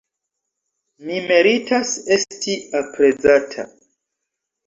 Mi meritas esti aprezata.